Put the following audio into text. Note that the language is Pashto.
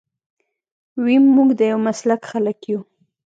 ويم موږ د يو مسلک خلک يو.